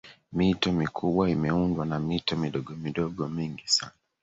mito mikubwa imeundwa na mito midogomidogo mingi sana